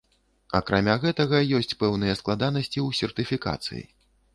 Акрамя гэтага ёсць пэўныя складанасці ў сертыфікацыі.